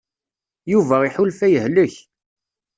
Yuba iḥulfa yehlek.